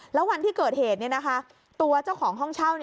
แล้ววันที่เกิดเหตุตัวเจ้าของห้องเช่า